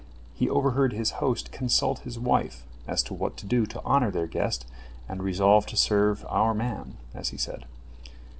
He overheard his host consult his wife as to what to do to honor their guest, and resolve to serve "our man," as he said.